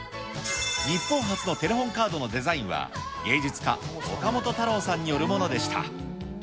日本初のテレホンカードのデザインは芸術家、岡本太郎さんによるものでした。